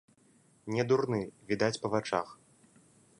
Не дурны, відаць па вачах.